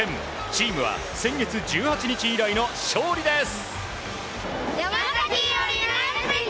チームは先月１８日以来の勝利です。